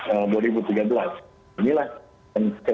inilah yang saya pikir soal tantangan